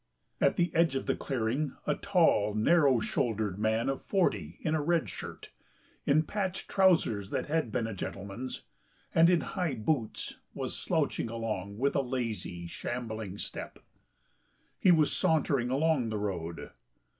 At the edge of the clearing a tall, narrow shouldered man of forty in a red shirt, in patched trousers that had been a gentleman's, and in high boots, was slouching along with a lazy, shambling step. He was sauntering along the road.